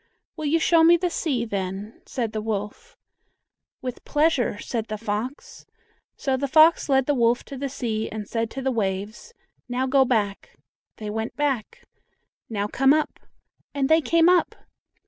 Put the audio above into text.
"Will you show me the sea, then?" said the wolf. "With pleasure," said the fox. So the fox led the wolf to the sea, and said to the waves, "Now go back," they went back. "Now come up," and they came up!